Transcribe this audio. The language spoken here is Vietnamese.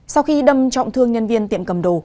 sau khi đâm trọng thương nhân viên tiệm cầm đồ